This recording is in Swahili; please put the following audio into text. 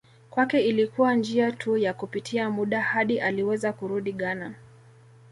Kwake ilikuwa njia tu ya kupita muda hadi aliweza kurudi Ghana